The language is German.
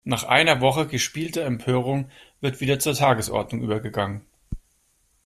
Nach einer Woche gespielter Empörung wird wieder zur Tagesordnung übergegangen.